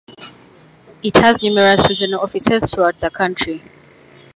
It has numerous regional offices throughout the country.